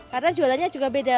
karena jualannya juga beda